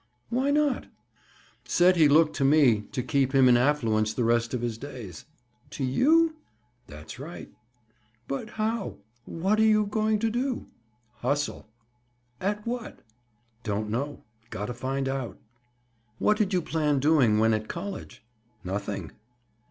"Why not?" "Said he looked to me to keep him in affluence the rest of his days." "To you?" "That's right." "But how?—What are you going to do?" "Hustle." "At what?" "Don't know. Got to find out." "What did you plan doing, when at college?" "Nothing."